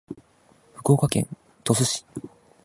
福岡県鳥栖市